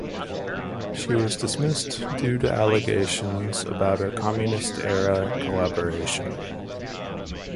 She was dismissed due to allegations about her communist-era collaboration.